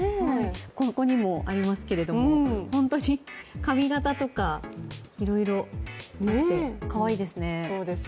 ここにもありますけれども、本当に髪形とかいろいろあってかわいいですね。